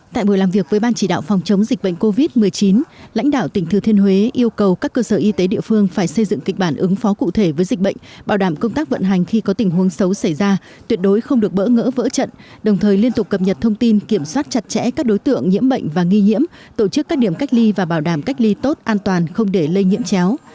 tại buổi làm việc với ban chỉ đạo phòng chống dịch bệnh covid một mươi chín lãnh đạo tỉnh thừa thiên huế yêu cầu các cơ sở y tế địa phương phải xây dựng kịch bản ứng phó cụ thể với dịch bệnh bảo đảm công tác vận hành khi có tình huống xấu xảy ra tuyệt đối không được bỡ ngỡ vỡ trận đồng thời liên tục cập nhật thông tin kiểm soát chặt chẽ các đối tượng nhiễm bệnh và nghi nhiễm tổ chức các điểm cách ly và bảo đảm cách ly tốt an toàn không để lây nhiễm chéo